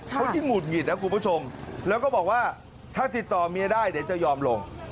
เขายิ่งหุดหงิดนะคุณผู้ชมแล้วก็บอกว่าถ้าติดต่อเมียได้เดี๋ยวจะยอมลง